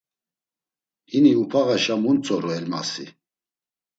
Hini upağaşa mu ntzoru Elmasi.